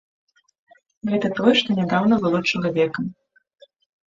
Гэта тое, што нядаўна было чалавекам!